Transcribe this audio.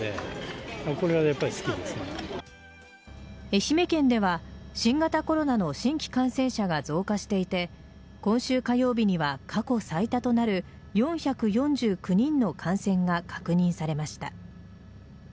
愛媛県では新型コロナの新規感染者が増加していて今週火曜日には過去最多となる４４９人の感染が確認されました。